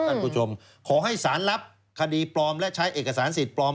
ท่านผู้ชมขอให้สารรับคดีปลอมและใช้เอกสารสิทธิ์ปลอม